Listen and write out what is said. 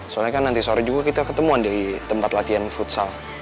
soalnya kan nanti sore juga kita ketemuan dari tempat latihan futsal